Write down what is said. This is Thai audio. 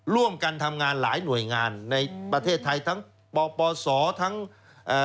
ร่วมกันทำงานหลายหน่วยงานในประเทศไทยทั้งปปศทั้งเอ่อ